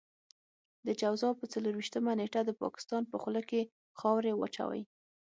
د جوزا په څلور وېشتمه نېټه د پاکستان په خوله کې خاورې واچوئ.